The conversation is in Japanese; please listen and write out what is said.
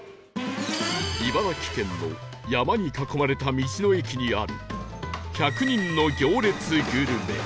茨城県の山に囲まれた道の駅にある１００人の行列グルメ